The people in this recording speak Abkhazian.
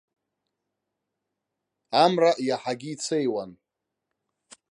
Амра иаҳагьы ицеиуан.